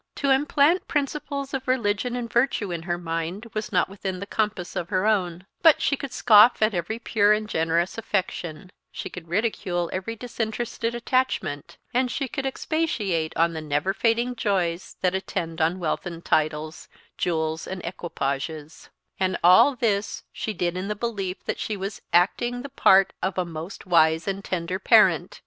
To implant principles of religion and virtue in her mind was not within the compass of her own; but she could scoff at every pure and generous affection; she could ridicule every disinterested attachment; and she could expatiate on the never fading joys that attend on wealth and titles, jewels and equipages; and all this she did in the belief that she was acting the part of a most wise and tender parent!